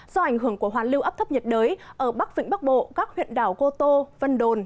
do ảnh hưởng của hoàn lưu áp thấp nhiệt đới ở bắc vĩnh bắc bộ các huyện đảo cô tô vân đồn